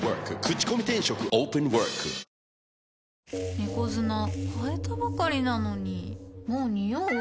猫砂替えたばかりなのにもうニオう？